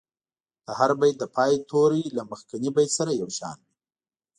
د هر بیت د پای توري له مخکني بیت سره یو شان وي.